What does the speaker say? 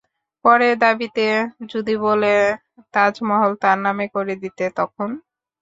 পরের দাবিতে যদি বলে তাজমহল তার নামে করে দিতে তখন?